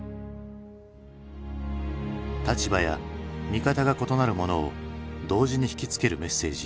立場や見方が異なる者を同時に引きつけるメッセージ。